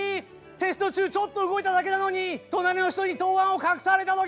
テスト中ちょっと動いただけなのに隣の人に答案を隠された時。